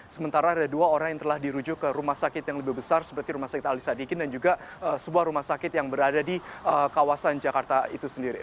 sementara ada dua orang yang telah dirujuk ke rumah sakit yang lebih besar seperti rumah sakit alisadikin dan juga sebuah rumah sakit yang berada di kawasan jakarta itu sendiri